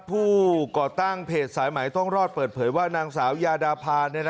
ก่อตั้งเพจสายไหมต้องรอดเปิดเผยว่านางสาวยาดาพา